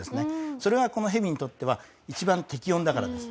それがこのヘビにとっては一番適温だからです。